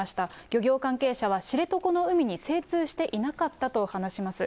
漁業関係者は、知床の海に精通していなかったと話します。